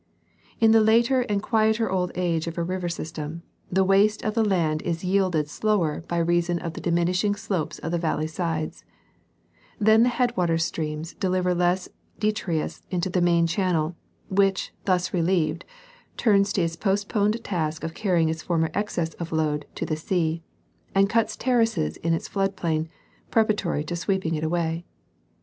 In the later and qiiieter old age of a river system, the waste of the land is yielded slower by reason of the diminishing slopes of the valley sides ; then the headwater streams deliver less detritus to the main channel, which, thus relieved, turns to its postponed task of carrying its former excess of load to the sea, and cuts ter races in its flood plain, preparatory to sweeping it away.